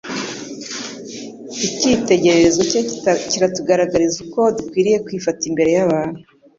Icyitegereregezo cye kiratugaragariza uko dukwiriye kwifata imbere y'abantu